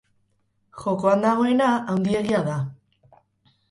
Jokoan dagoena haundiegia da.